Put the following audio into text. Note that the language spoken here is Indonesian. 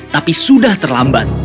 tapi sudah terlambat